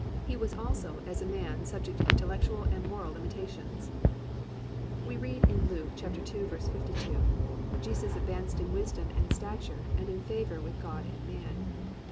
2. He was also, as a man subject to intellectual and moral limitations. We read in Luke 2:52, +"Jesus advanced in wisdom and stature and in favour with God and man."